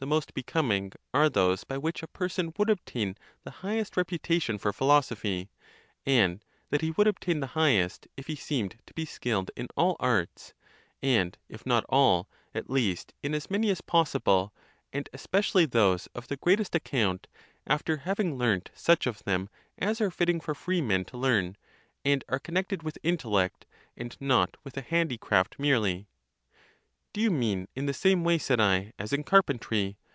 most) becoming, are those by which a person would obtain the highest reputation for philosophy ; and that he would ob tain the highest, if he seemed to be skilled in all arts ;*4 and, if not all, at least in as many as possible, and especially those of the greatest account, after having learnt such of them as are fitting for freemen to learn, and are connected with intellect, and not with a handicraft merely.—Do you mean in the same way, said I, as in carpentry?